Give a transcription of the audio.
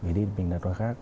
mình đi mình lật vào khác